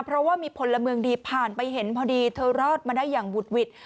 เพราะว่ามีพลเมืองดีผ่านไปเห็นพอดีเธอรอดมาได้อย่างบุดหวิด